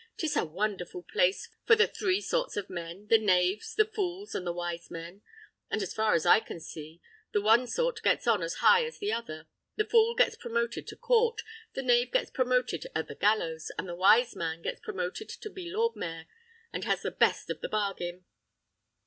'Tis a wonderful place for the three sorts of men: the knaves, the fools, and the wise men; and as far as I can see, the one sort gets on as high as the other. The fool gets promoted at court, the knave gets promoted at the gallows, and the wise man gets promoted to be lord mayor, and has the best of the bargain."